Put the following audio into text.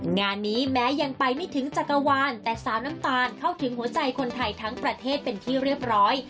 งานนี้แม้ยังไปไม่ถึงจักรวาลแต่สาวน้ำตาลเข้าถึงหัวใจคนไทยทั้งประเทศเป็นที่เรียบร้อย